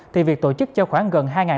thì việc tổ chức cho khoảng gần